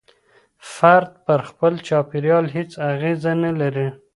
فرد پر خپل چاپېريال هيڅ اغېزه نلري.